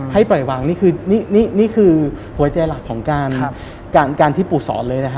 ให้ปล่อยวางนี่คือหัวใจหลักของการที่ปู่สอนเลย